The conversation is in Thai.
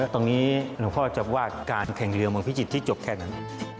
ตรงนี้หลวงพ่อจะว่าการแข่งเรือเมืองพิจิตรที่จบแค่นั้น